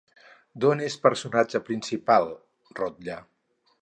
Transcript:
D'on és personatge principal Rotllà?